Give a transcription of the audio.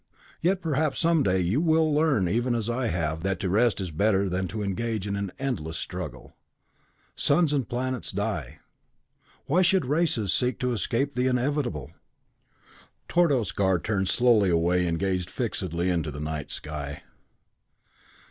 Yet perhaps some day you will learn even as I have that to rest is better than to engage in an endless struggle. Suns and planets die. Why should races seek to escape the inevitable?" Tordos Gar turned slowly away and gazed fixedly into the night sky.